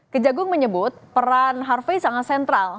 kejagung menyebut peran harvey sangat sentral